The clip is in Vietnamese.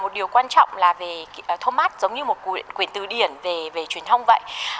điều quan trọng là về thomas giống như một quyển từ điển về truyền thông vậy